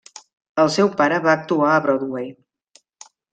El seu pare va actuar a Broadway.